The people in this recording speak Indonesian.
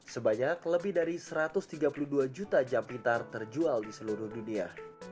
sebanyak lebih dari satu ratus tiga puluh dua juta jam pintar terjual di seluruh dunia